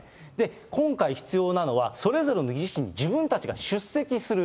今回、必要なのは、それぞれの時期に自分たちが出席する。